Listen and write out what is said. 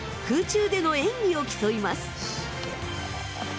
空中での演技を競います。